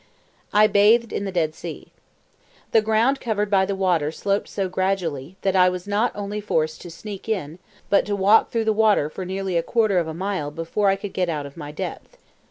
I bathed in the Dead Sea. The ground covered by the water sloped so gradually, that I was not only forced to "sneak in," but to walk through the water nearly a quarter of a mile before I could get out of my depth.